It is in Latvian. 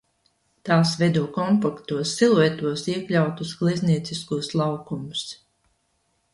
Tās veido kompaktos siluetos iekļautus gleznieciskus laukumus.